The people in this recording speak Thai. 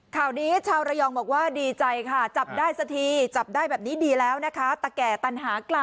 ข่าวนี้ชาวระยองบอกว่าดีใจค่ะจับได้สักทีจับได้แบบนี้ดีแล้วนะคะ